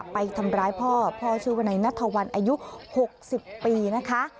ไปทำร้ายพ่อพ่อชื่อวนายนัทวันอายุ๖๐ปีนะคะ